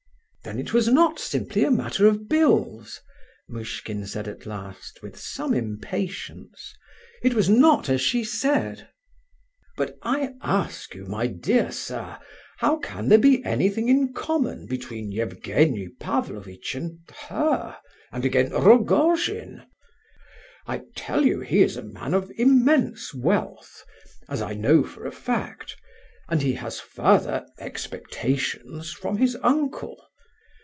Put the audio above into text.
"Then it was not simply a matter of bills?" Muishkin said at last, with some impatience. "It was not as she said?" "But I ask you, my dear sir, how can there be anything in common between Evgenie Pavlovitch, and—her, and again Rogojin? I tell you he is a man of immense wealth—as I know for a fact; and he has further expectations from his uncle.